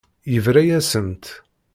Yebra-yasent.